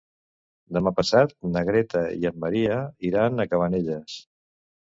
Demà passat na Greta i en Maria iran a Cabanelles.